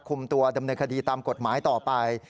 คุมตัวดำเนินคดีตามกฎหมายต่อไป